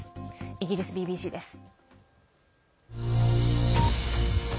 イギリスＢＢＣです。